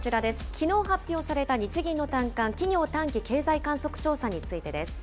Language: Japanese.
きのう発表された、日銀の短観・企業短期経済観測調査についてです。